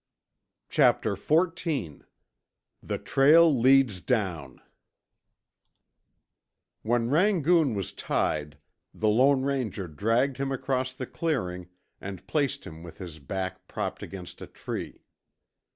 Chapter XIV THE TRAIL LEADS DOWN When Rangoon was tied, the Lone Ranger dragged him across the clearing and placed him with his back propped against a tree.